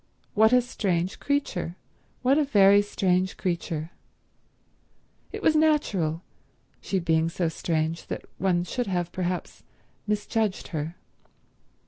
What a strange creature; what a very strange creature. It was natural, she being so strange, that one should have, perhaps, misjudged her.